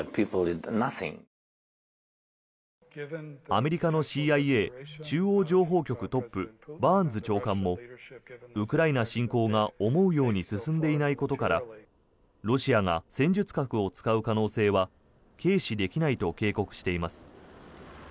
アメリカのＣＩＡ・中央情報局トップバーンズ長官もウクライナ侵攻が思うように進んでいないことからロシアが戦術核を使う可能性は軽視できないと警告しています。